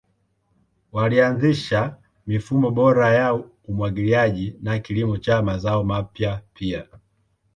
Walianzisha mifumo bora ya umwagiliaji na kilimo cha mazao mapya pia.